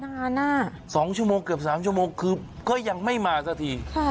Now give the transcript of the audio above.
นานน่ะสองชั่วโมงเกือบสามชั่วโมงคือก็ยังไม่มาซะทีค่ะ